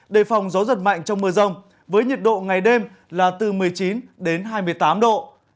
đề phòng gió giật mạnh trong mưa rông với nhiệt độ ngày đêm là từ một mươi chín đến hai mươi tám độ